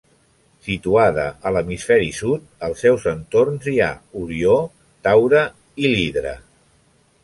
Situada a l'hemisferi sud, als seus entorns hi ha Orió, Taure i l'Hidra.